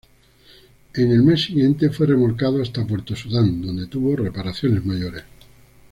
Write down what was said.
En el mes siguiente fue remolcado hasta Puerto Sudán donde tuvo reparaciones mayores.